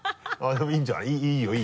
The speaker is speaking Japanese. でもいいんじゃない？いいよ。